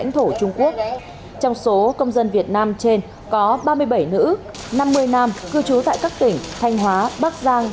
trong số công dân việt nam trên có ba mươi bảy nữ năm mươi nam cư trú tại các tỉnh thanh hóa bắc giang